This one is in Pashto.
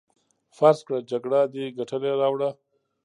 فرض کړه جګړه دې ګټلې راوړه.